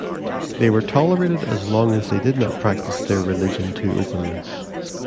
They were tolerated as long as they did not practice their religion too openly.